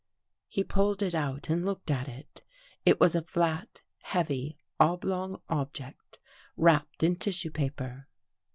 " He pulled it out and looked at it. It was a flat, heavy, oblong object wrapped in tissue paper.